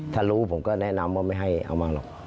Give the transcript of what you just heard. ถ้ารู้ผมก็แนะนำว่าไม่ให้เอามาหรอก